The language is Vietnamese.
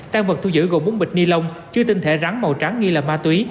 tan vật thu giữ gồm bốn bịch ni lông chứa tinh thể rắn màu trắng nghi là ma túy